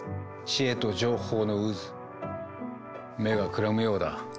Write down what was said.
知恵と情報の渦目がくらむようだ。